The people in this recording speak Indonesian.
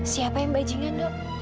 siapa yang mbak jingan